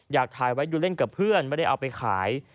อยากถ่ายไว้ดูเล่นกับเพื่อนไม่ได้เอาไปขาย